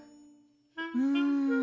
うん。